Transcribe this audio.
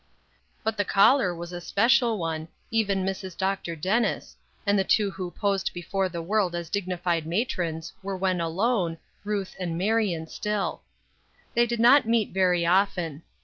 But the caller was a special one, even Mrs. Dr. Dennis, and the two who posed before the world as dignified matrons were when alone " Ruth " and " Marion " still. They did not meet very often.